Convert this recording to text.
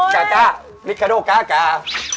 กะกะนี่กระโด่กะกะ